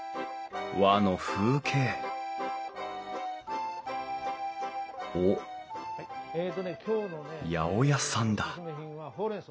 和の風景おっ八百屋さんだ